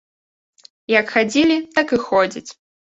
Як хадзілі, так і ходзяць.